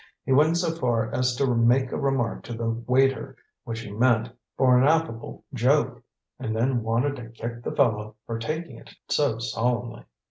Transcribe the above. He went so far as to make a remark to the waiter which he meant for an affable joke, and then wanted to kick the fellow for taking it so solemnly.